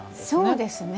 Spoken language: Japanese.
そうですね。